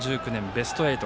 ベスト８。